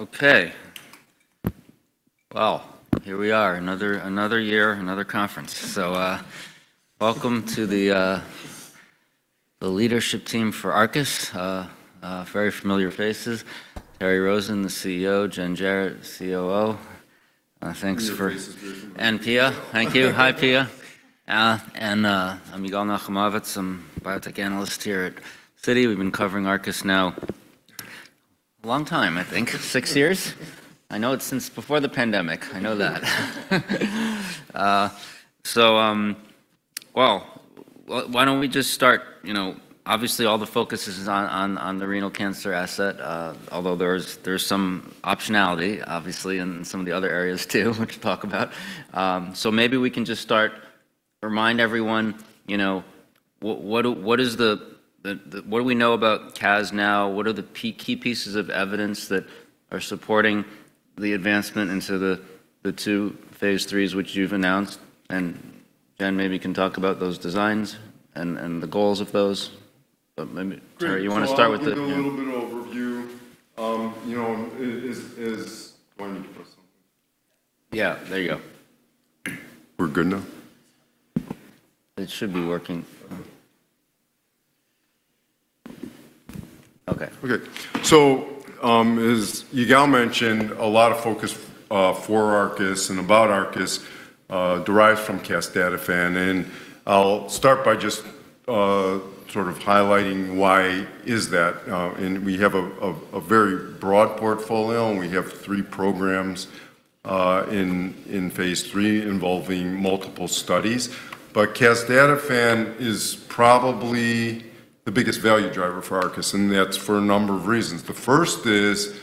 Okay. Well, here we are. Another year, another conference. So welcome to the leadership team for Arcus. Very familiar faces. Terry Rosen, the CEO. Jen Jarrett, COO. Thanks for— And Pia. And Pia. Thank you. Hi, Pia. And I'm Yigal Nochomovitz. I'm a biotech analyst here at Citi. We've been covering Arcus now a long time, I think. Six years? I know it's since before the pandemic. I know that. So well, why don't we just start? Obviously, all the focus is on the renal cancer asset, although there's some optionality, obviously, in some of the other areas too, which we'll talk about. So maybe we can just start. Remind everyone, what do we know about CAS now? What are the key pieces of evidence that are supporting the advancement into the two phase IIIs, which you've announced? And Jen maybe can talk about those designs and the goals of those. But maybe, Terry, you want to start with the. Can I do a little bit of overview? Yeah, there you go. We're good now? It should be working. Okay. Okay, so as Yigal mentioned, a lot of focus for Arcus and about Arcus derives from Casdatifan. And I'll start by just sort of highlighting why is that, and we have a very broad portfolio. We have three programs in phase III involving multiple studies, but Casdatifan is probably the biggest value driver for Arcus, and that's for a number of reasons. The first is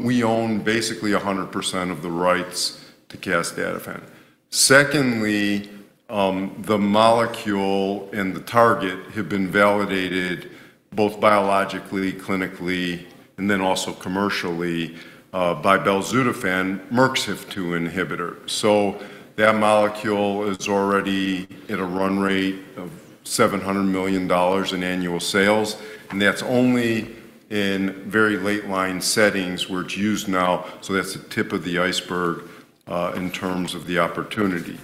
we own basically 100% of the rights to Casdatifan. Secondly, the molecule and the target have been validated both biologically, clinically, and then also commercially by Belzutifan, Merck's HIF-2 inhibitor. So that molecule is already at a run rate of $700 million in annual sales, and that's only in very late-line settings where it's used now. So that's the tip of the iceberg in terms of the opportunity.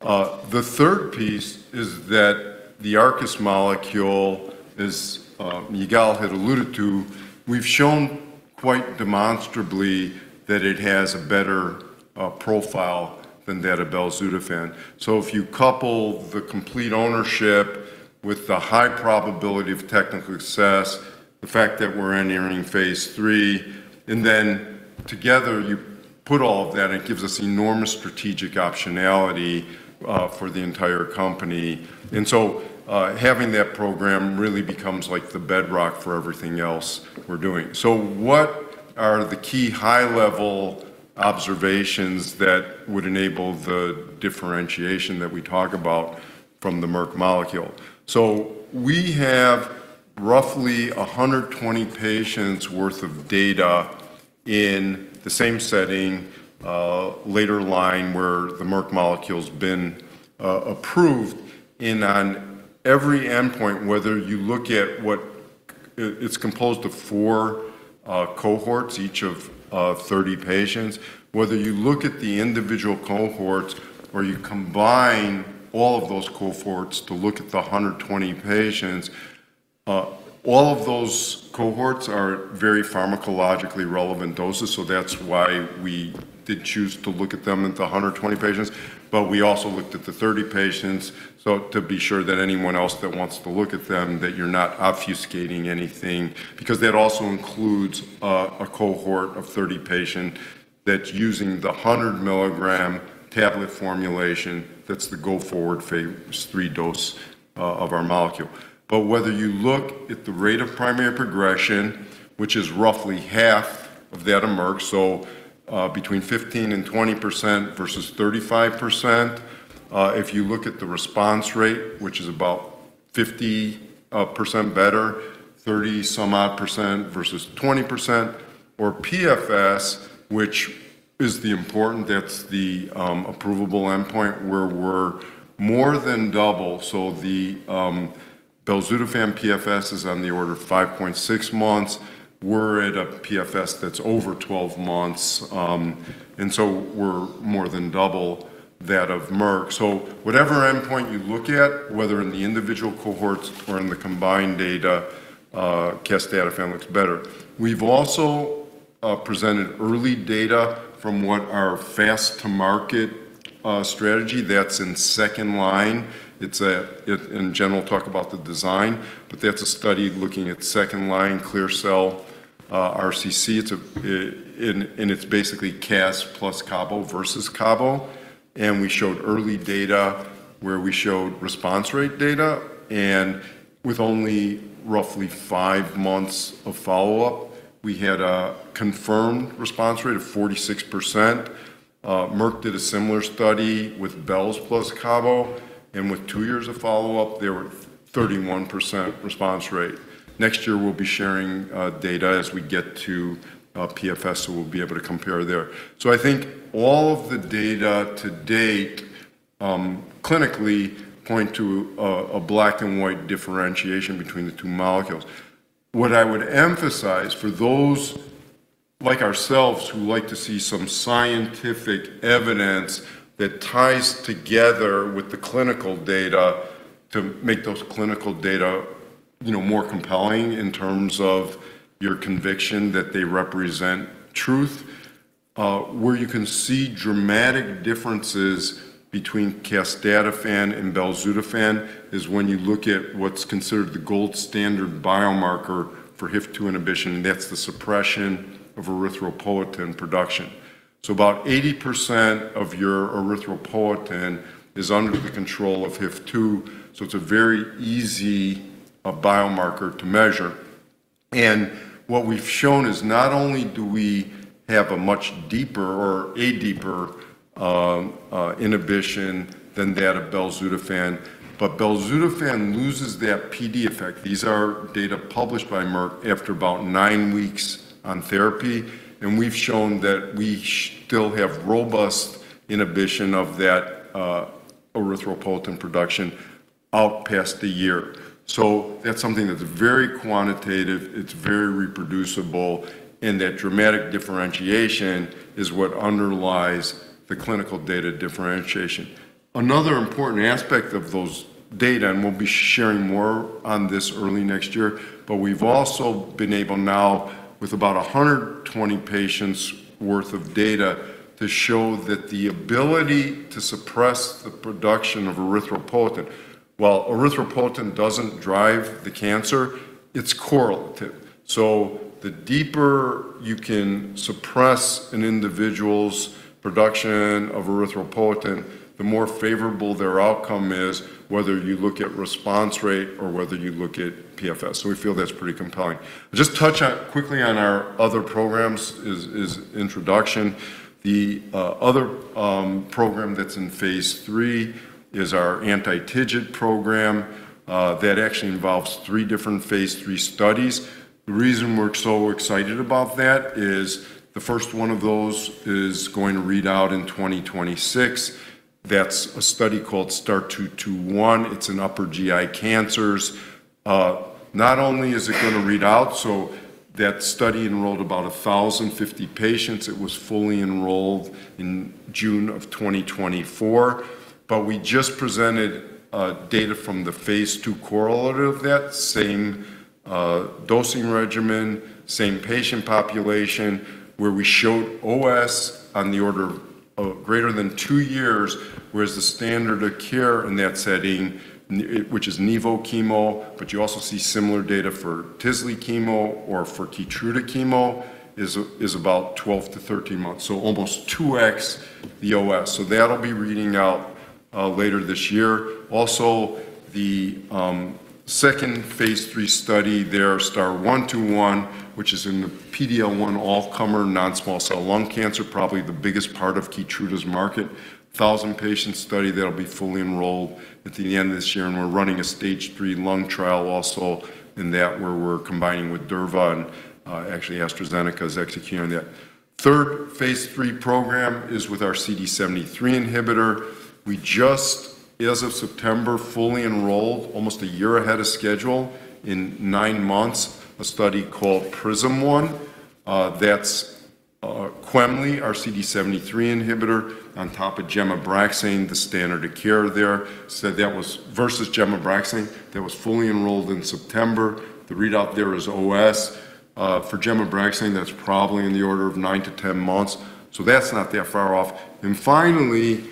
The third piece is that the Arcus molecule, as Yigal had alluded to, we've shown quite demonstrably that it has a better profile than that of Belzutifan. So if you couple the complete ownership with the high probability of technical success, the fact that we're entering phase III, and then together you put all of that, it gives us enormous strategic optionality for the entire company, and so having that program really becomes like the bedrock for everything else we're doing. What are the key high-level observations that would enable the differentiation that we talk about from the Merck molecule? We have roughly 120 patients' worth of data in the same setting later in line where the Merck molecule's been approved. On every endpoint, whether you look at what it's composed of four cohorts, each of 30 patients, whether you look at the individual cohorts or you combine all of those cohorts to look at the 120 patients, all of those cohorts are very pharmacologically relevant doses. That's why we did choose to look at them at the 120 patients. We also looked at the 30 patients to be sure that anyone else that wants to look at them, that you're not obfuscating anything. Because that also includes a cohort of 30 patients that's using the 100-mg tablet formulation. That's the go-forward phase III dose of our molecule. But whether you look at the rate of primary progression, which is roughly half of that of Merck, so between 15%-20% versus 35%, if you look at the response rate, which is about 50% better, 30-some-odd% versus 20%, or PFS, which is the important, that's the approvable endpoint, where we're more than double. So the Belzutifan PFS is on the order of 5.6 months. We're at a PFS that's over 12 months. And so we're more than double that of Merck. So whatever endpoint you look at, whether in the individual cohorts or in the combined data, Casdatifan looks better. We've also presented early data from what our fast-to-market strategy, that's in second line. It's, in general, talk about the design. But that's a study looking at second-line clear cell RCC. And it's basically CAS plus CABO versus CABO. We showed early data where we showed response rate data. With only roughly five months of follow-up, we had a confirmed response rate of 46%. Merck did a similar study with Belzutifan plus CABO. With two years of follow-up, there were 31% response rate. Next year, we'll be sharing data as we get to PFS, so we'll be able to compare there. So I think all of the data to date clinically point to a black-and-white differentiation between the two molecules. What I would emphasize for those like ourselves who like to see some scientific evidence that ties together with the clinical data to make those clinical data more compelling in terms of your conviction that they represent truth, where you can see dramatic differences between Casdatifan and Belzutifan is when you look at what's considered the gold standard biomarker for HIF-2 inhibition, and that's the suppression of erythropoietin production. So about 80% of your erythropoietin is under the control of HIF-2. So it's a very easy biomarker to measure. And what we've shown is not only do we have a much deeper or a deeper inhibition than that of Belzutifan, but Belzutifan loses that PD effect. These are data published by Merck after about nine weeks on therapy. And we've shown that we still have robust inhibition of that erythropoietin production out past the year. So that's something that's very quantitative. It's very reproducible. And that dramatic differentiation is what underlies the clinical data differentiation. Another important aspect of those data, and we'll be sharing more on this early next year, but we've also been able now, with about 120 patients' worth of data, to show that the ability to suppress the production of erythropoietin, while erythropoietin doesn't drive the cancer, it's correlative. So the deeper you can suppress an individual's production of erythropoietin, the more favorable their outcome is, whether you look at response rate or whether you look at PFS. So we feel that's pretty compelling. Just to touch quickly on our other programs as an introduction. The other program that's in phase III is our anti-TIGIT program. That actually involves three different phase III studies. The reason we're so excited about that is the first one of those is going to read out in 2026. That's a study called STAR-221. It's in upper GI cancers. Not only is it going to read out, so that study enrolled about 1,050 patients. It was fully enrolled in June of 2024. But we just presented data from the phase II correlative of that, same dosing regimen, same patient population, where we showed OS on the order of greater than two years, whereas the standard of care in that setting, which is Nivo chemo, but you also see similar data for Tisle chemo or for Keytruda chemo, is about 12 to 13 months. So almost 2x the OS. So that'll be reading out later this year. Also, the second phase III study there, STAR-121, which is in the PD-L1 all-comer non-small cell lung cancer, probably the biggest part of Keytruda's market, 1,000-patient study that'll be fully enrolled at the end of this year, and we're running a phase III lung trial also in that where we're combining with durva and actually AstraZeneca is executing that. Third phase III program is with our CD73 inhibitor. We just, as of September, fully enrolled almost a year ahead of schedule in nine months, a study called PRISM1. That's quemli, our CD73 inhibitor, on top of gem/Abraxane, the standard of care there. So that was versus gem/Abraxane. That was fully enrolled in September. The readout there is OS. For gem/Abraxane, that's probably in the order of nine to 10 months. So that's not that far off. Finally,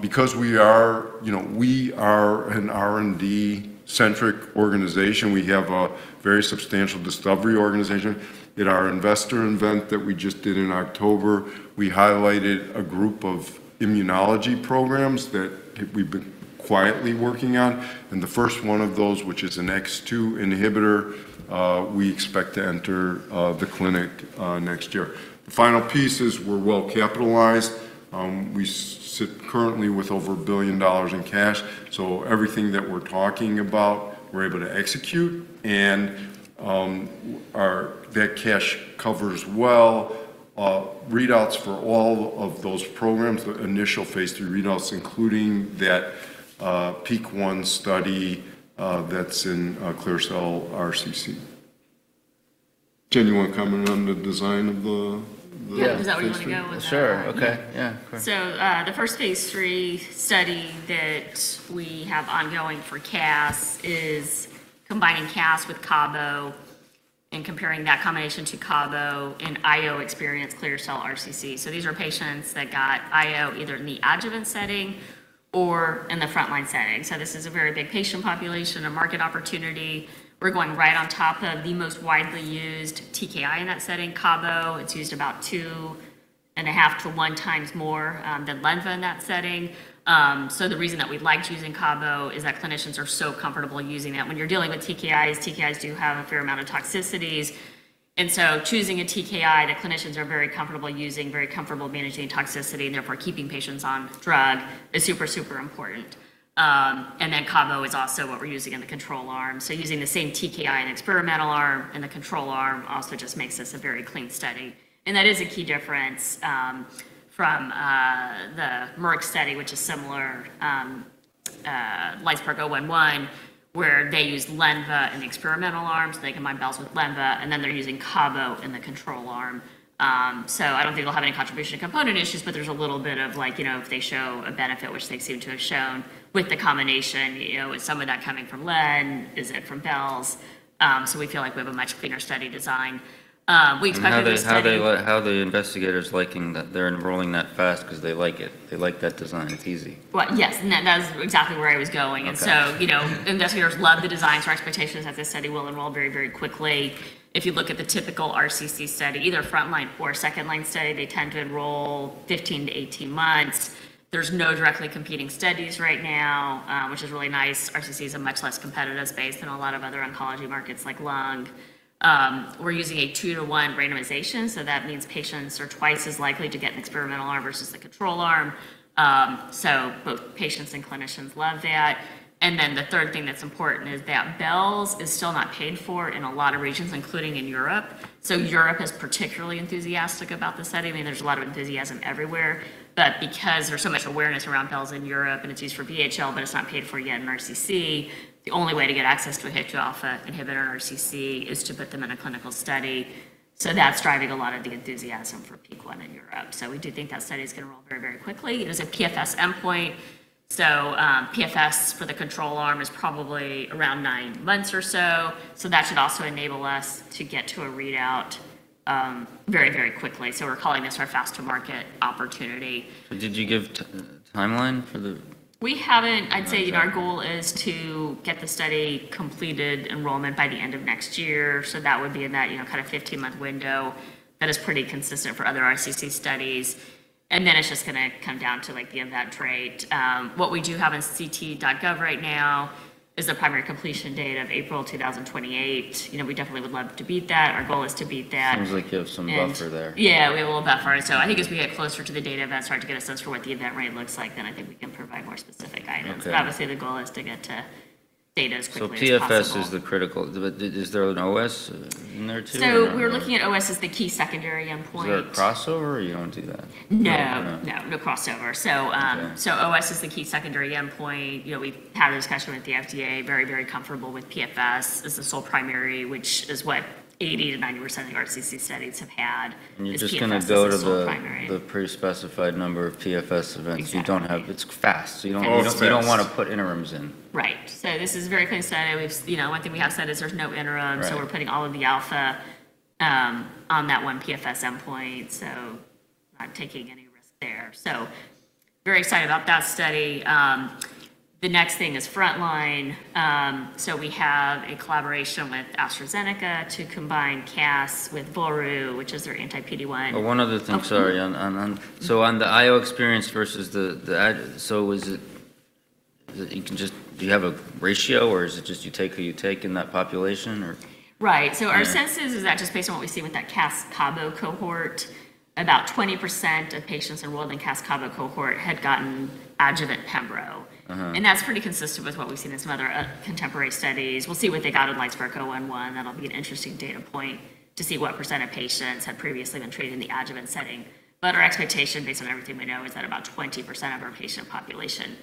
because we are an R&D-centric organization, we have a very substantial discovery organization. In our investor event that we just did in October, we highlighted a group of immunology programs that we've been quietly working on. And the first one of those, which is a H2 inhibitor, we expect to enter the clinic next year. The final piece is we're well capitalized. We sit currently with over $1 billion in cash. So everything that we're talking about, we're able to execute. And that cash covers well readouts for all of those programs, the initial phase III readouts, including that PIK1 study that's in clear cell RCC. Jen, you want to comment on the design of the. Yeah, is that what you want to go with? Sure. Okay. Yeah, of course. So the first phase III study that we have ongoing for CAS is combining CAS with CABO and comparing that combination to CABO and in IO-experienced clear cell RCC. So these are patients that got IO either in the adjuvant setting or in the frontline setting. So this is a very big patient population, a market opportunity. We're going right on top of the most widely used TKI in that setting, CABO. It's used about two and a half to one times more than Lenvima in that setting. So the reason that we liked using CABO is that clinicians are so comfortable using that. When you're dealing with TKIs, TKIs do have a fair amount of toxicities. And so choosing a TKI that clinicians are very comfortable using, very comfortable managing toxicity, and therefore keeping patients on drug is super, super important. And then CABO is also what we're using in the control arm. So using the same TKI in experimental arm and the control arm also just makes this a very clean study. And that is a key difference from the Merck study, which is similar, LITESPARK-011, where they use Lenva in the experimental arm. So they combine Belzutifan with Lenva. And then they're using CABO in the control arm. So I don't think they'll have any contribution to component issues, but there's a little bit of like, you know, if they show a benefit, which they seem to have shown with the combination, is some of that coming from Len? Is it from Belz? So we feel like we have a much cleaner study design. We expect that this- I wonder how the investigators liking that they're enrolling that fast because they like it. They like that design. It's easy. Yes. And that's exactly where I was going. And so investigators love the design. So our expectation is that this study will enroll very, very quickly. If you look at the typical RCC study, either frontline or second-line study, they tend to enroll 15 to 18 months. There's no directly competing studies right now, which is really nice. RCC is a much less competitive space than a lot of other oncology markets like lung. We're using a two-to-one randomization. So that means patients are twice as likely to get an experimental arm versus the control arm. So both patients and clinicians love that. And then the third thing that's important is that Belz is still not paid for in a lot of regions, including in Europe. So Europe is particularly enthusiastic about the study. I mean, there's a lot of enthusiasm everywhere. But because there's so much awareness around Belz in Europe, and it's used for VHL, but it's not paid for yet in RCC, the only way to get access to a HIF-2alpha inhibitor in RCC is to put them in a clinical study. So that's driving a lot of the enthusiasm for LITESPARK-011 in Europe. So we do think that study is going to roll very, very quickly. It is a PFS endpoint. So PFS for the control arm is probably around nine months or so. So that should also enable us to get to a readout very, very quickly. So we're calling this our fast-to-market opportunity. Did you give timeline for the? We haven't. I'd say our goal is to get the study completed enrollment by the end of next year, so that would be in that kind of 15-month window that is pretty consistent for other RCC studies, and then it's just going to come down to the event rate. What we do have on ct.gov right now is the primary completion date of April 2028. We definitely would love to beat that. Our goal is to beat that. Sounds like you have some buffer there. Yeah, we have a little buffer. So I think as we get closer to the data event, start to get a sense for what the event rate looks like, then I think we can provide more specific items. But obviously, the goal is to get to data as quickly as possible. So PFS is the critical. But is there an OS in there too? We're looking at OS as the key secondary endpoint. Is there a crossover? You don't do that. No, no, no crossover. So OS is the key secondary endpoint. We've had a discussion with the FDA. Very, very comfortable with PFS as the sole primary, which is what 80%-90% of the RCC studies have had. You're just going to go to the pre-specified number of PFS events. You don't have. It's fast. You don't want to put interims in. Right. So this is a very clean study. One thing we have said is there's no interim. So we're putting all of the alpha on that one PFS endpoint. So not taking any risk there. So very excited about that study. The next thing is frontline. So we have a collaboration with AstraZeneca to combine CAS with Volru, which is their anti-PD-1. One other thing, sorry. So on the IO experience versus the, so is it, do you have a ratio, or is it just you take who you take in that population, or? Right. So our sense is that just based on what we see with that CAS-CABO cohort, about 20% of patients enrolled in CAS-CABO cohort had gotten adjuvant Pembro. And that's pretty consistent with what we've seen in some other contemporary studies. We'll see what they got in LITESPARK-011. That'll be an interesting data point to see what percent of patients had previously been treated in the adjuvant setting. But our expectation, based on everything we know, is that about 20% of our patient population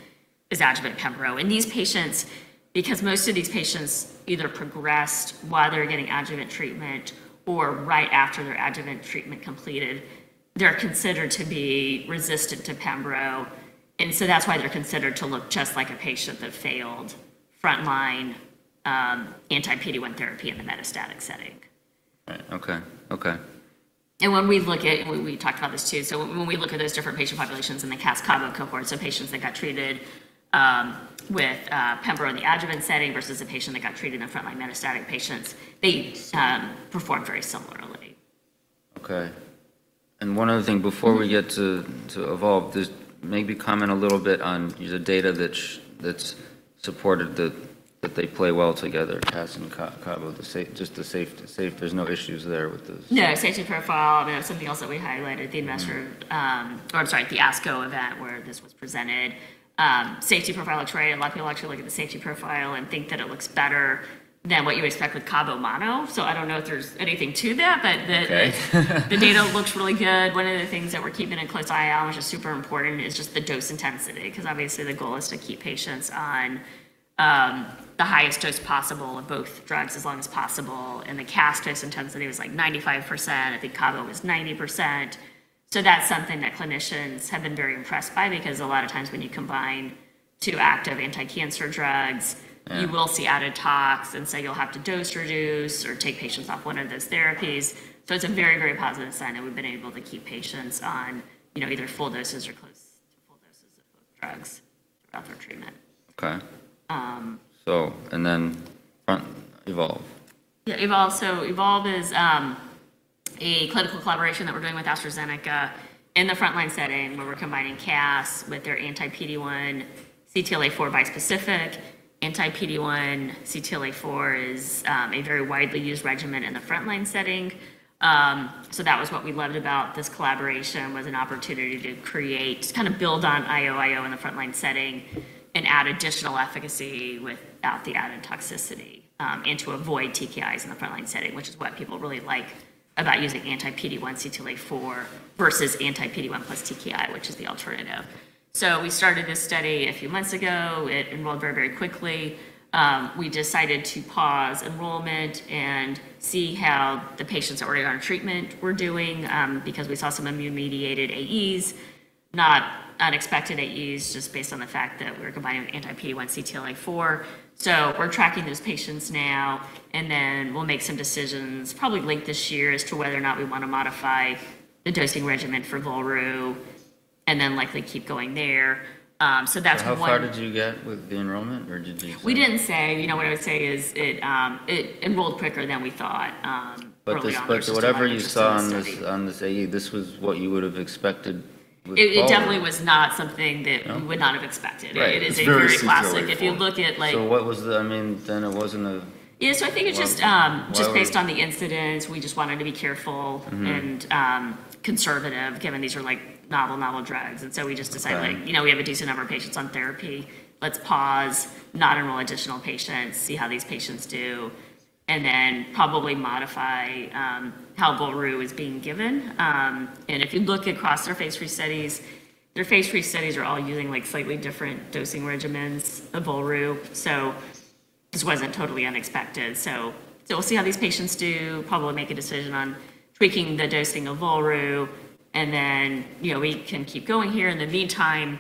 is adjuvant Pembro. And these patients, because most of these patients either progressed while they were getting adjuvant treatment or right after their adjuvant treatment completed, they're considered to be resistant to Pembro. And so that's why they're considered to look just like a patient that failed frontline anti-PD1 therapy in the metastatic setting. Okay, okay. When we look at, we talked about this too. So when we look at those different patient populations in the CAS-CABO cohort, so patients that got treated with Pembro in the adjuvant setting versus a patient that got treated in frontline metastatic patients, they performed very similarly. Okay, and one other thing before we get to Evolve, just maybe comment a little bit on the data that's supported that they play well together, CAS and CABO, just the safety. There's no issues there with the. Yeah, safety profile. Something else that we highlighted, the investor - or I'm sorry, the ASCO event where this was presented. Safety profile looks right. A lot of people actually look at the safety profile and think that it looks better than what you expect with CABO mono. So I don't know if there's anything to that, but the data looks really good. One of the things that we're keeping a close eye on, which is super important, is just the dose intensity. Because obviously, the goal is to keep patients on the highest dose possible of both drugs as long as possible. And the CAS dose intensity was like 95%. I think CABO was 90%. So that's something that clinicians have been very impressed by because a lot of times when you combine two active anti-cancer drugs, you will see added tox and say you'll have to dose reduce or take patients off one of those therapies. So it's a very, very positive sign that we've been able to keep patients on either full doses or close to full doses of both drugs throughout their treatment. Okay, and then Evolve. Yeah, Evolve. So Evolve is a clinical collaboration that we're doing with AstraZeneca in the frontline setting where we're combining CAS with their anti-PD-1, CTLA-4 bispecific. Anti-PD-1, CTLA-4 is a very widely used regimen in the frontline setting. So that was what we loved about this collaboration was an opportunity to create, kind of build on IOIO in the frontline setting and add additional efficacy without the added toxicity and to avoid TKIs in the frontline setting, which is what people really like about using anti-PD-1, CTLA-4 versus anti-PD-1 plus TKI, which is the alternative. So we started this study a few months ago. It enrolled very, very quickly. We decided to pause enrollment and see how the patients already on treatment were doing because we saw some immune-mediated AEs, not unexpected AEs, just based on the fact that we were combining anti-PD-1, CTLA-4. So we're tracking those patients now. Then we'll make some decisions probably late this year as to whether or not we want to modify the dosing regimen for Volru and then likely keep going there. So that's one. How far did you get with the enrollment, or did you? We didn't say. You know what I would say is it enrolled quicker than we thought. but whatever you saw on this AE, this was what you would have expected with. It definitely was not something that we would not have expected. It is a very classic. If you look at like. What was the—I mean, then it wasn't a. Yeah. So I think it's just based on the incidents. We just wanted to be careful and conservative given these are novel, novel drugs. And so we just decided we have a decent number of patients on therapy. Let's pause, not enroll additional patients, see how these patients do, and then probably modify how Volru is being given. And if you look across their phase III studies, their phase III studies are all using slightly different dosing regimens of Volru. So this wasn't totally unexpected. So we'll see how these patients do, probably make a decision on tweaking the dosing of Volru. And then we can keep going here. In the meantime,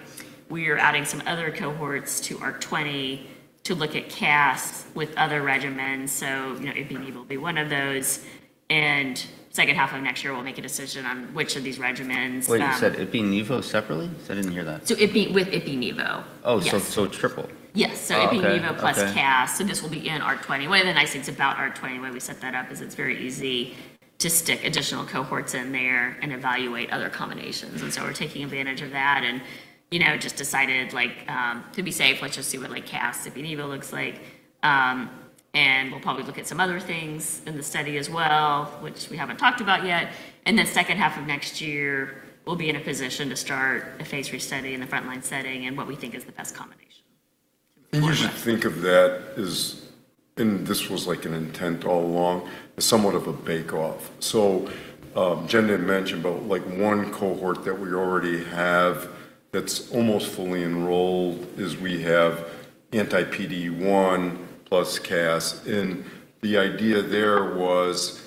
we are adding some other cohorts to ARC-20 to look at CAS with other regimens. So Opdivo will be one of those. And second half of next year, we'll make a decision on which of these regimens. Wait, you said Opdivo separately? I didn't hear that. It'd be with Opdivo. Oh, so it's triple. Yes. So Opdivo plus CAS. So this will be in ARC-20. One of the nice things about ARC-20, the way we set that up is it's very easy to stick additional cohorts in there and evaluate other combinations. And so we're taking advantage of that and just decided to be safe, let's just see what CAS, Opdivo looks like. And we'll probably look at some other things in the study as well, which we haven't talked about yet. And then second half of next year, we'll be in a position to start a phase III study in the frontline setting and what we think is the best combination. You should think of that as, and this was like an intent all along, somewhat of a bake-off. So Jen didn't mention, but one cohort that we already have that's almost fully enrolled is we have anti-PD1 plus CAS. And the idea there was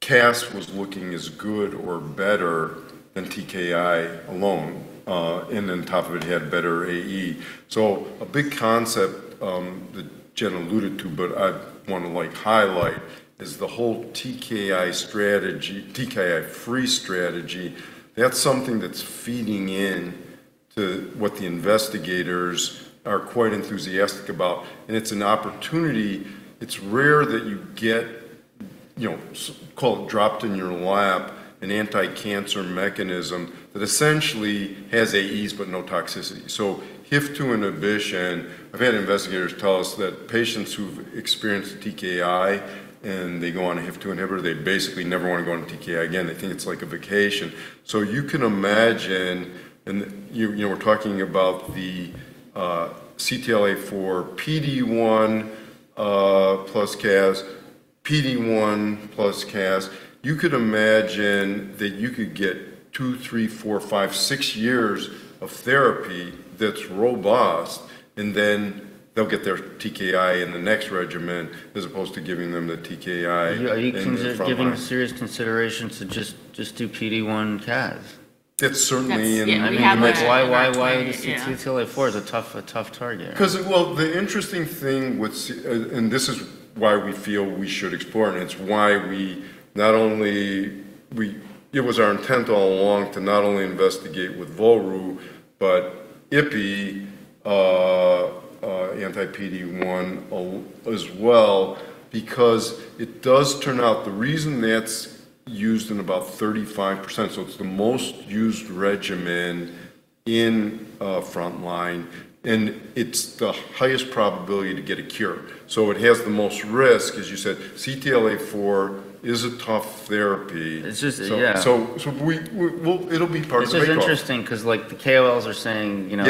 CAS was looking as good or better than TKI alone. And then top of it had better AE. So a big concept that Jen alluded to, but I want to highlight is the whole TKI-free strategy. That's something that's feeding into what the investigators are quite enthusiastic about. And it's an opportunity. It's rare that you get, call it dropped in your lap, an anti-cancer mechanism that essentially has AEs but no toxicity. So HIF2 inhibition. I've had investigators tell us that patients who've experienced TKI and they go on a HIF2 inhibitor, they basically never want to go on TKI again. They think it's like a vacation. So you can imagine, and we're talking about the CTLA-4 PD-1 plus CAS, PD-1 plus CAS, you could imagine that you could get two, three, four, five, six years of therapy that's robust, and then they'll get their TKI in the next regimen as opposed to giving them the TKI in the frontline. Are you giving serious consideration to just do PD-1 CAS? It's certainly in the mix. Why the CTLA-4 is a tough target? Because, well, the interesting thing with, and this is why we feel we should explore, and it's why we not only, it was our intent all along to not only investigate with Volru, but Ipi anti-PD-1 as well, because it does turn out the reason that's used in about 35%. So it's the most used regimen in frontline, and it's the highest probability to get a cure. So it has the most risk, as you said. CTLA-4 is a tough therapy. It's just, yeah. So it'll be part of the bake-off. It's interesting because the KOLs are saying, "No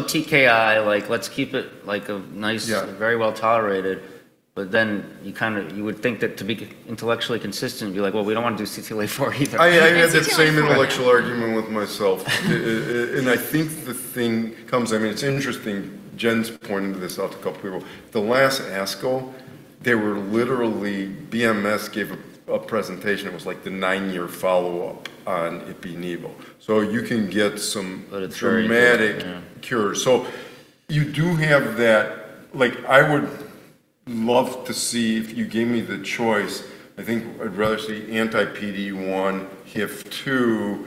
TKI. Let's keep it a nice, very well tolerated." But then you would think that to be intellectually consistent, you're like, "Well, we don't want to do CTLA-4 either. I had that same intellectual argument with myself. And I think the thing comes, I mean, it's interesting. Jen's pointed this out to a couple of people. The last ASCO, they were literally, BMS gave a presentation. It was like the nine-year follow-up on Opdivo. So you can get some dramatic cures. So you do have that. I would love to see if you gave me the choice. I think I'd rather see anti-PD-1, HIF-2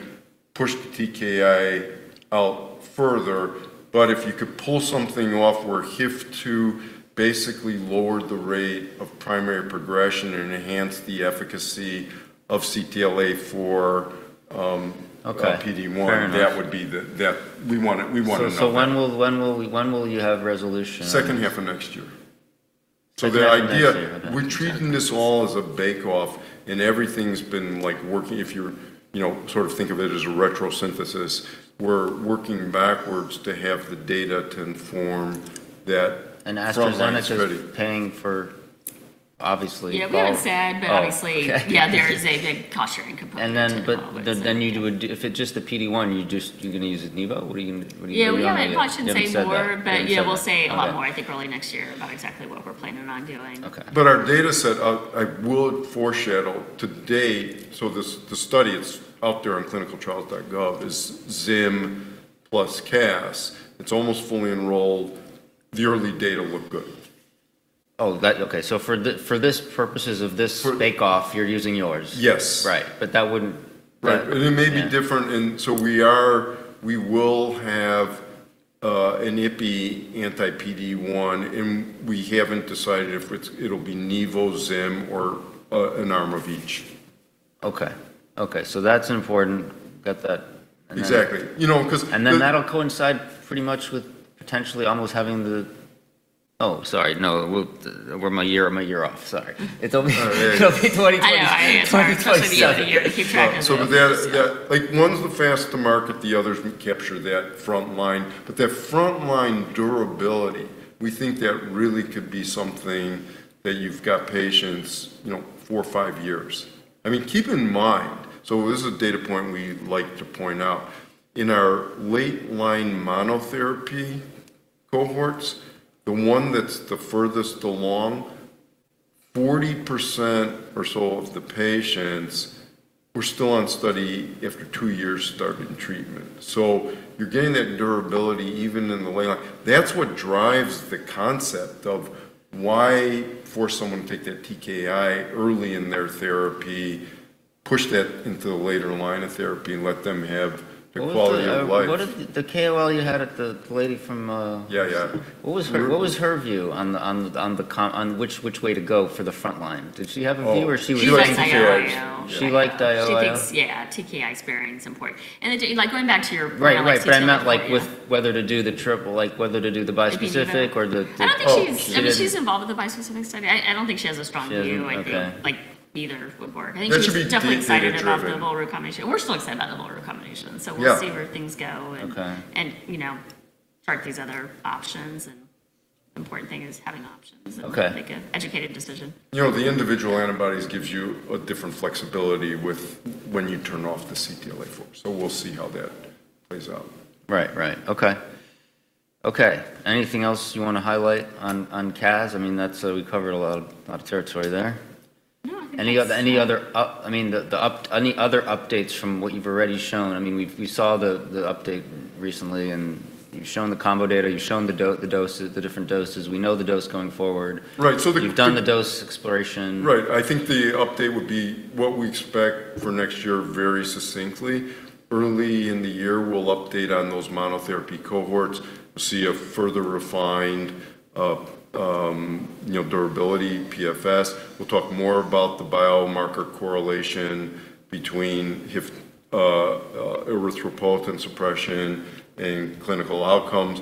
push the TKI out further. But if you could pull something off where HIF-2 basically lowered the rate of primary progression and enhanced the efficacy of CTLA-4 PD-1, that would be the—we want it now. When will you have resolution? Second half of next year. So the idea, we're treating this all as a bake-off, and everything's been working. If you sort of think of it as a retrosynthesis, we're working backwards to have the data to inform that. And AstraZeneca is paying for, obviously. Yeah, we have a SAG, but obviously, yeah, there is a big cost-sharing component to all this. And then if it's just the PD-1, you're going to use Opdivo? What are you going to do? Yeah, we have a cost-sharing component, but yeah, we'll say a lot more, I think, early next year about exactly what we're planning on doing. Our data set, I will foreshadow today. The study that's out there on clinicaltrials.gov is ZIM plus CAS. It's almost fully enrolled. The early data look good. Oh, okay. So for the purposes of this bake-off, you're using yours? Yes. Right. But that wouldn't. Right. And it may be different. And so we will have an Ipi anti-PD-1, and we haven't decided if it'll be Nivo, ZIM, or an arm of each. Okay. Okay. So that's important. Got that. Exactly. You know. And then that'll coincide pretty much with potentially almost having the. Oh, sorry. No, we're a year off. Sorry. It'll be 2027. One's the fast to market. The others capture that frontline. But that frontline durability, we think that really could be something that you've got patients four or five years. I mean, keep in mind, so this is a data point we like to point out. In our late-line monotherapy cohorts, the one that's the furthest along, 40% or so of the patients were still on study after two years starting treatment. So you're getting that durability even in the late line. That's what drives the concept of why for someone to take that TKI early in their therapy, push that into the later line of therapy, and let them have quality of life. What is the KOL you had, the lady from—what was her view on which way to go for the frontline? Did she have a view or she was— She liked IOIO. She liked IOIO. Yeah. TKI experience is important. And going back to your. Right. Brenda, like with whether to do the triple, like whether to do the bispecific or the— I don't think she's—I mean, she's involved with the bispecific study. I don't think she has a strong view, I think, like either would work. I think she's definitely excited about the Volru combination. We're still excited about the Volru combination. So we'll see where things go and chart these other options. And the important thing is having options and make an educated decision. The individual antibodies give you a different flexibility when you turn off the CTLA-4. So we'll see how that plays out. Right. Okay. Anything else you want to highlight on CAS? I mean, we covered a lot of territory there. No. Any other, I mean, any other updates from what you've already shown? I mean, we saw the update recently, and you've shown the combo data. You've shown the different doses. We know the dose going forward. You've done the dose exploration. Right. I think the update would be what we expect for next year very succinctly. Early in the year, we'll update on those monotherapy cohorts. We'll see a further refined durability, PFS. We'll talk more about the biomarker correlation between erythropoietin suppression and clinical outcomes.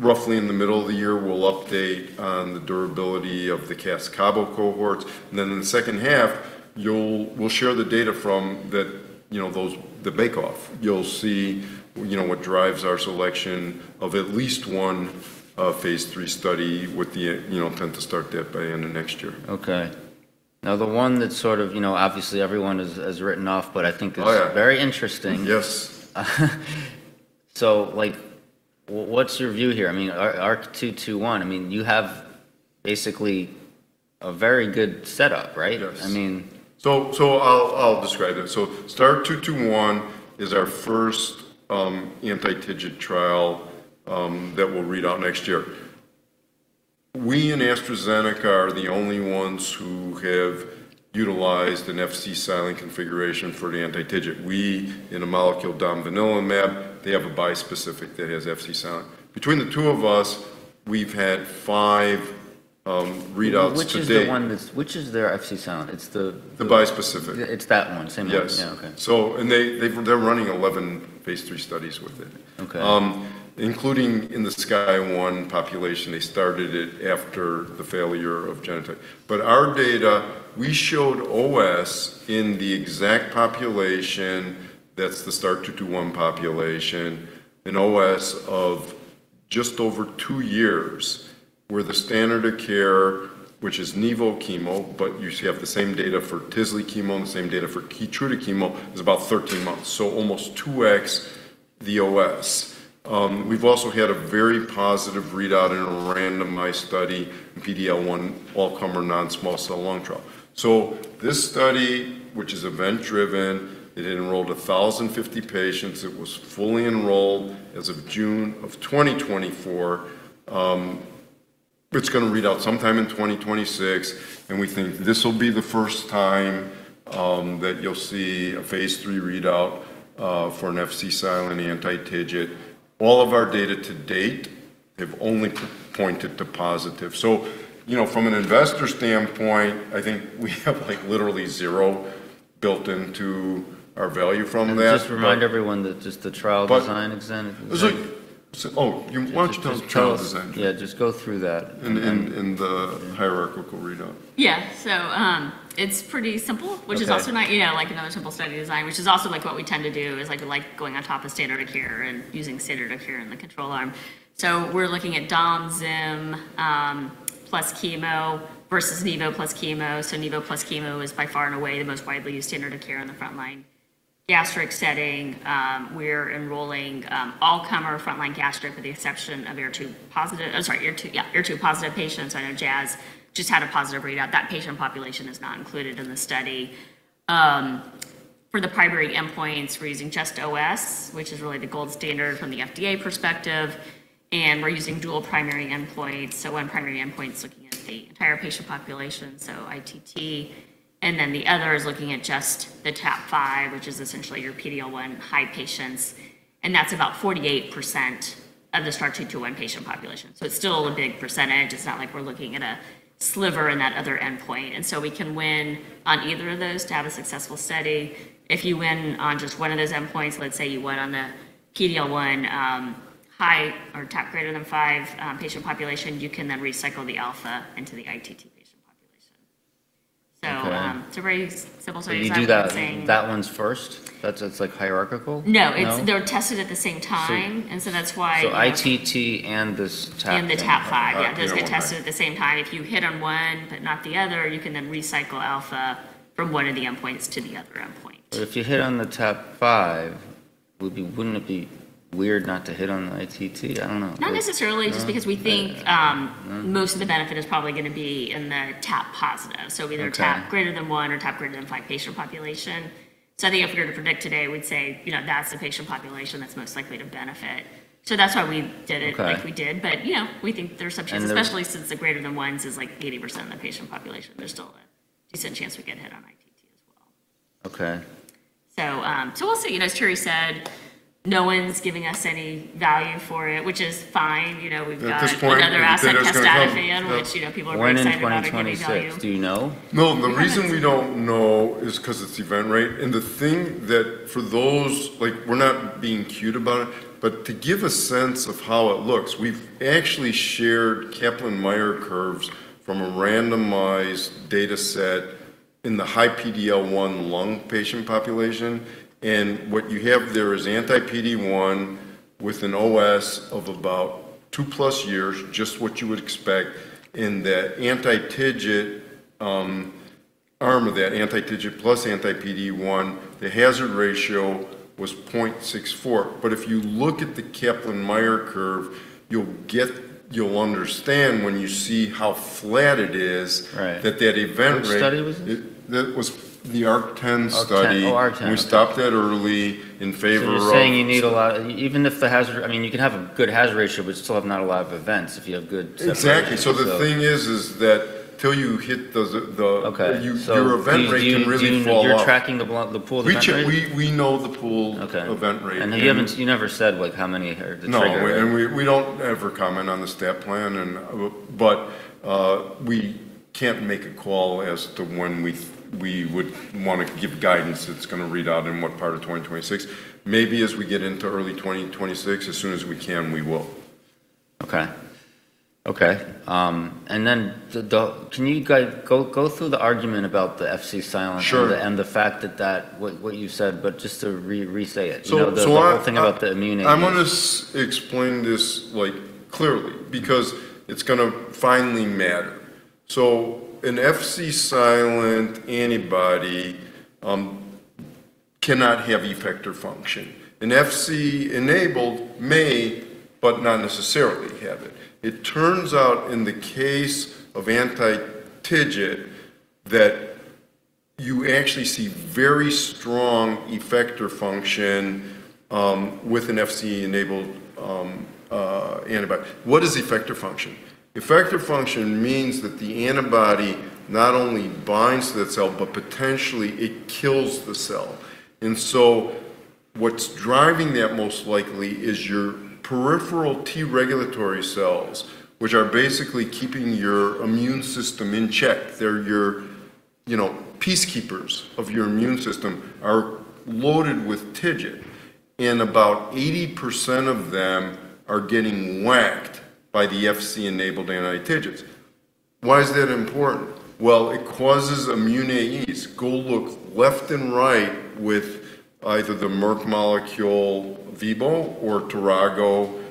Roughly in the middle of the year, we'll update on the durability of the CAS CABO cohorts. And then in the second half, we'll share the data from the bake-off. You'll see what drives our selection of at least one phase III study with the intent to start that by the end of next year. Okay. Now, the one that sort of obviously everyone has written off, but I think is very interesting. Yes. So what's your view here? I mean, STAR-221, I mean, you have basically a very good setup, right? Yes. So I'll describe it. So STAR-221 is our first anti-TIGIT trial that we'll read out next year. We at AstraZeneca are the only ones who have utilized an Fc silent configuration for the anti-TIGIT. We have a molecule Domvanalimab, they have a bispecific that has Fc silent. Between the two of us, we've had five readouts today. Which is their Fc silent? It's the. The bispecific. It's that one. Same one. Yeah. Okay. They're running 11 phase III studies with it, including in the SKY-01 population. They started it after the failure of Genentech. But our data, we showed OS in the exact population that's the STAR-221 population in OS of just over two years where the standard of care, which is Nivo, chemo, but you have the same data for Tevimbra chemo and the same data for Keytruda chemo, is about 13 months. So almost 2x the OS. We've also had a very positive readout in a randomized study in PD-L1 all-comer non-small cell lung trial. So this study, which is event-driven, it enrolled 1,050 patients. It was fully enrolled as of June of 2024. It's going to read out sometime in 2026. And we think this will be the first time that you'll see a phase III readout for an Fc silent anti-TIGIT. All of our data to date have only pointed to positive. So from an investor standpoint, I think we have literally zero built into our value from that. Just remind everyone that just the trial design exam. Oh, you want to tell the trial design? Yeah. Just go through that. The hierarchical readout. Yeah. So it's pretty simple, which is also not like another simple study design, which is also what we tend to do is like going on top of standard of care and using standard of care in the control arm. So we're looking at dom, ZIM plus chemo versus Nivo plus chemo. So Nivo plus chemo is by far and away the most widely used standard of care in the frontline gastric setting. We're enrolling all-comer frontline gastric with the exception of HER2-positive patients. I'm sorry, HER2-positive patients. I know Jazz just had a positive readout. That patient population is not included in the study. For the primary endpoints, we're using just OS, which is really the gold standard from the FDA perspective. And we're using dual primary endpoints. So one primary endpoint is looking at the entire patient population, so ITT. And then the other is looking at just the top five, which is essentially your PDL1 high patients. And that's about 48% of the STAR-221 patient population. So it's still a big percentage. It's not like we're looking at a sliver in that other endpoint. And so we can win on either of those to have a successful study. If you win on just one of those endpoints, let's say you win on the PDL1 high or top greater than five patient population, you can then recycle the alpha into the ITT patient population. So it's a very simple study design. You do that one first? That's like hierarchical? No. They're tested at the same time, and so that's why. ITT and the top five. And the top five. Yeah. Those get tested at the same time. If you hit on one but not the other, you can then recycle alpha from one of the endpoints to the other endpoint. But if you hit on the top five, wouldn't it be weird not to hit on the ITT? I don't know. Not necessarily, just because we think most of the benefit is probably going to be in the PD-L1 positive. So either PD-L1 greater than one or PD-L1 greater than five patient population. So I think if we were to predict today, we'd say that's the patient population that's most likely to benefit. So that's why we did it like we did. But we think there's some chance, especially since the greater than ones is like 80% of the patient population. There's still a decent chance we get hit on ITT as well. So we'll see. As Terry said, no one's giving us any value for it, which is fine. We've got another asset, Casdatifan, which people are very excited about and giving value. Do you know? No, the reason we don't know is because it's event rate. And the thing that for those, we're not being cute about it, but to give a sense of how it looks, we've actually shared Kaplan-Meier curves from a randomized data set in the high PD-L1 lung patient population. And what you have there is anti-PD-1 with an OS of about two plus years, just what you would expect. In the anti-TIGIT arm of that, anti-TIGIT plus anti-PD-1, the hazard ratio was 0.64. But if you look at the Kaplan-Meier curve, you'll understand when you see how flat it is that that event rate. What study was this? That was the ARC-10 study. We stopped that early in favor of. So you're saying you need a lot, even if the hazard, I mean, you can have a good hazard ratio, but you still have not a lot of events if you have good. Exactly, so the thing is that until you hit your event rate can really fall off. You're tracking the pooled event rate. We know the pool event rate. You never said how many are the triggered? No, and we don't ever comment on the stat plan. But we can't make a call as to when we would want to give guidance that's going to read out in what part of 2026. Maybe as we get into early 2026, as soon as we can, we will. Okay. And then, can you go through the argument about the Fc silent and the fact that what you said, but just to re-say it? The whole thing about the immunity. I want to explain this clearly because it's going to finally matter. So an Fc silent antibody cannot have effector function. An Fc enabled may, but not necessarily have it. It turns out in the case of anti-TIGIT that you actually see very strong effector function with an Fc enabled antibody. What is effector function? Effector function means that the antibody not only binds to the cell, but potentially it kills the cell. And so what's driving that most likely is your peripheral T regulatory cells, which are basically keeping your immune system in check. They're your peacekeepers of your immune system are loaded with TIGIT. And about 80% of them are getting whacked by the Fc enabled anti-TIGITs. Why is that important? Well, it causes immune AEs. Go look left and right with either the Merck molecule vibosto or tirago,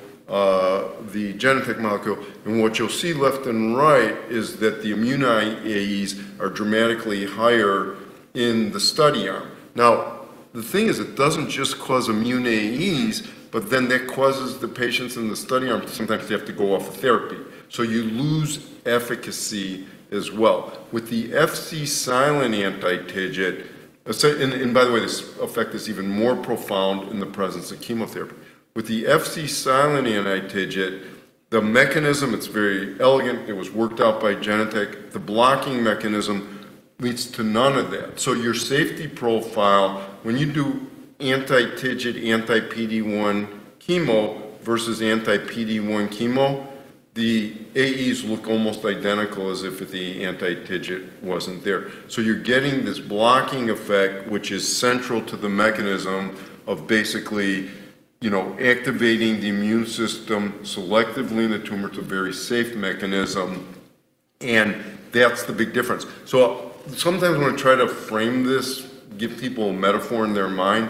the Genentech molecule. What you'll see left and right is that the immune AEs are dramatically higher in the study arm. Now, the thing is it doesn't just cause immune AEs, but then that causes the patients in the study arm sometimes to have to go off of therapy. So you lose efficacy as well. With the Fc silent anti-TIGIT, and by the way, this effect is even more profound in the presence of chemotherapy. With the Fc silent anti-TIGIT, the mechanism, it's very elegant. It was worked out by Genentech. The blocking mechanism leads to none of that. So your safety profile, when you do anti-TIGIT, anti-PD-1 chemo versus anti-PD-1 chemo, the AEs look almost identical as if the anti-TIGIT wasn't there. So you're getting this blocking effect, which is central to the mechanism of basically activating the immune system selectively in the tumor to a very safe mechanism. And that's the big difference. So sometimes when I try to frame this, give people a metaphor in their mind,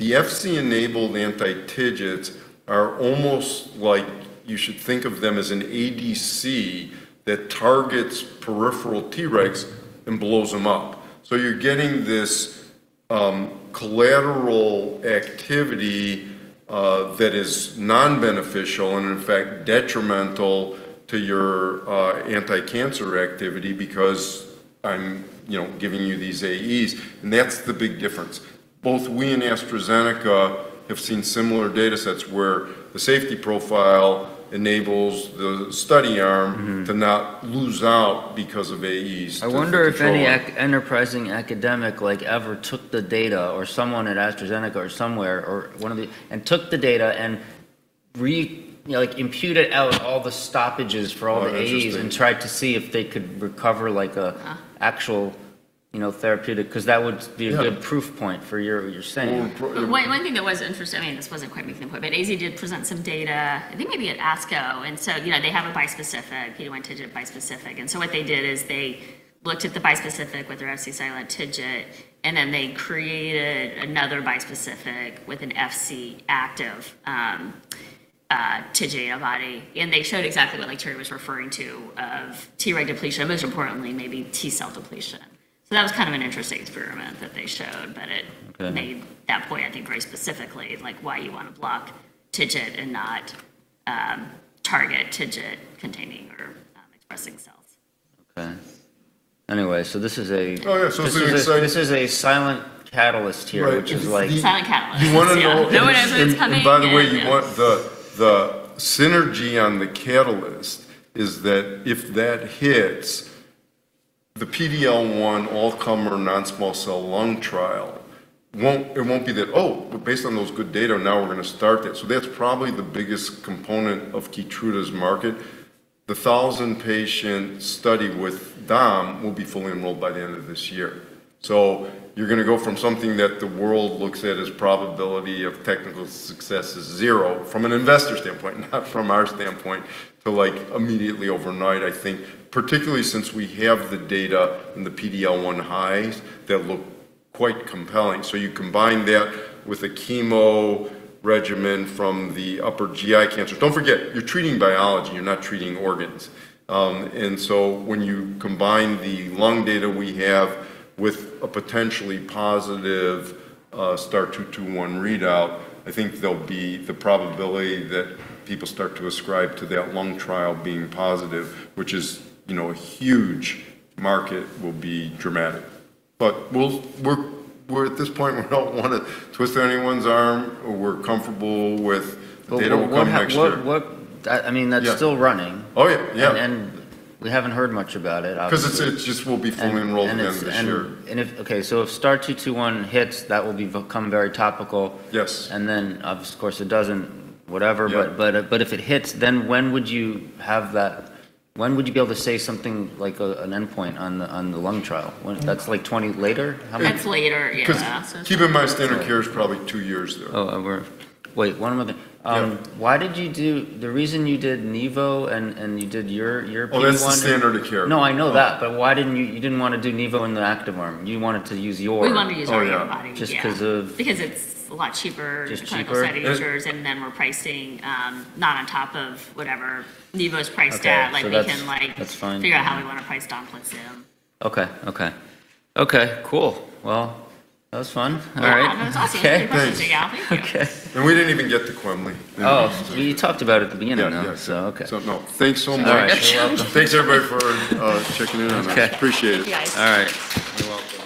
the Fc-enabled anti-TIGITs are almost like you should think of them as an ADC that targets peripheral T regs and blows them up. So you're getting this collateral activity that is non-beneficial and in fact detrimental to your anti-cancer activity because I'm giving you these AEs. And that's the big difference. Both we and AstraZeneca have seen similar data sets where the safety profile enables the study arm to not lose out because of AEs. I wonder if any enterprising academic ever took the data or someone at AstraZeneca or somewhere or one of the and took the data and imputed out all the stoppages for all the AEs and tried to see if they could recover like an actual therapeutic because that would be a good proof point for your saying. One thing that was interesting - I mean, this wasn't quite making the point - but AZ did present some data, I think maybe at ASCO. And so they have a bispecific, PD-1 TIGIT bispecific. And so what they did is they looked at the bispecific with their Fc silent TIGIT, and then they created another bispecific with an Fc active TIGIT antibody. And they showed exactly what Terry was referring to of T reg depletion, most importantly, maybe T cell depletion. So that was kind of an interesting experiment that they showed, but it made that point, I think, very specifically like why you want to block TIGIT and not target TIGIT-containing or expressing cells. Okay. Anyway, so this is a. Oh, yeah. So this is. So this is a silent catalyst here, which is like. Silent catalyst. You want to know. No one ever comes in. By the way, the synergy on the catalyst is that if that hits, the PD-L1 all-comer non-small cell lung trial, it won't be that, "Oh, based on those good data, now we're going to start this." So that's probably the biggest component of Keytruda's market. The 1,000-patient study with dom will be fully enrolled by the end of this year. So you're going to go from something that the world looks at as probability of technical success is zero from an investor standpoint, not from our standpoint, to immediately overnight, I think, particularly since we have the data and the PD-L1 highs that look quite compelling. So you combine that with a chemo regimen from the upper GI cancer. Don't forget, you're treating biology. You're not treating organs. And so when you combine the lung data we have with a potentially positive STAR-221 readout, I think there'll be the probability that people start to ascribe to that lung trial being positive, which is a huge market will be dramatic. But we're at this point, we don't want to twist anyone's arm. We're comfortable with. They don't come next year. I mean, that's still running. Oh, yeah. Yeah. We haven't heard much about it. Because it just will be fully enrolled in the industry. Okay, so if STAR-221 hits, that will become very topical. Yes. Of course, it doesn't, whatever. But if it hits, then when would you have that? When would you be able to say something like an endpoint on the lung trial? That's like 20 later? That's later, yeah. Keep in mind standard of care is probably two years though. Oh, wait, one more thing. Why did you do the reason you did Nivo and you did your PD-1? Oh, that's standard of care. No, I know that, but why didn't you? You didn't want to do Nivo in the active arm. You wanted to use your. We wanted to use our antibody. Just because of. Because it's a lot cheaper. Just cheaper. Cheaper settings. And then we're pricing not on top of whatever Nivo is priced at. We can figure out how we want to price dom plus zim. Okay. Cool. Well, that was fun. All right. That was awesome. Thank you for sitting down. We didn't even get to quemliclustat. Oh, you talked about it at the beginning. Yeah. Okay. So thanks so much. Thanks, everybody, for checking in on us. Appreciate it. You guys. All right. You're welcome.